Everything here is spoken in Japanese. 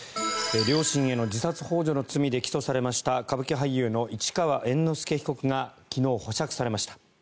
両親への自殺ほう助の罪で起訴されました歌舞伎俳優の市川猿之助被告が昨日、保釈されました。